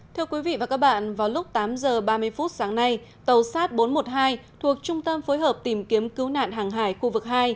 thưa quý vị và các bạn vào lúc tám h ba mươi phút sáng nay tàu sát bốn trăm một mươi hai thuộc trung tâm phối hợp tìm kiếm cứu nạn hàng hải khu vực hai